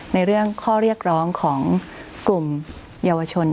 ในเรื่องข้อเรียกร้องของกลุ่มเยาวชน